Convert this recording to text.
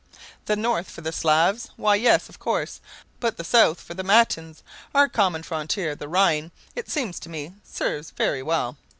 'The North for the Slavs?' Why, yes, of course; but the South for the Latins. Our common frontier, the Rhine, it seems to me, serves very well.